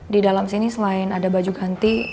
di dalam sini selain ada baju ganti